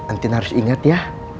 antin harus ingat ya